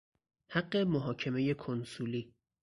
حق محاکمه کنسولی